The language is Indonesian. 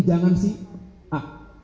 jangan si a